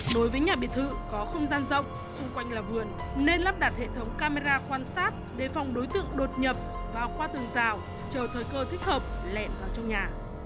đối với nhà biệt thự có không gian rộng xung quanh nhà vườn nên lắp đặt hệ thống camera quan sát đề phòng đối tượng đột nhập vào qua tường rào chờ thời cơ thích hợp lẹn vào trong nhà